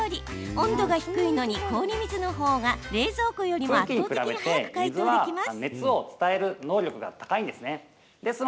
温度が低いのに氷水のほうが冷蔵庫よりも圧倒的に早く解凍できます。